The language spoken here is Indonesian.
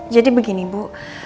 jadi begini bu